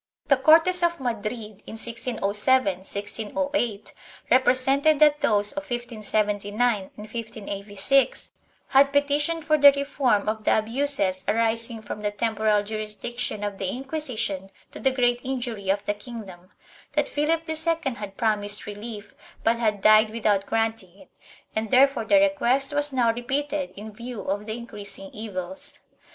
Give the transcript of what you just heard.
The Cortes of Madrid, in 1607 8, represented that those of 1579 and 1586 had petitioned for the reform of the abuses arising from the temporal jurisdiction of the Inquisition to the great injury of the kingdom; that Philip II had promised relief, but had died without granting it, and therefore the request was now repeated in view of the increasing evils.